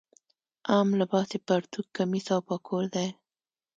عام لباس یې پرتوګ کمیس او پکول دی.